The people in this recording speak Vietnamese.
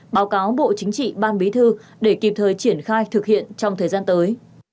báo cáo bộ chính trị ban bí thư để kịp thời triển khai thực hiện trong thời gian tới